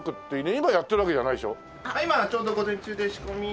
今ちょうど午前中で仕込み。